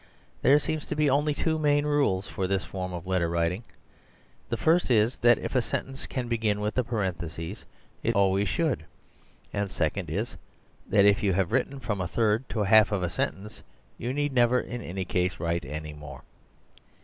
There seem to be only two main rules for this form of letter writing: the first is, that if a sentence can begin with a parenthesis it always should; and the second is, that if you have written from a third to half of a sentence you need never in any case write any more.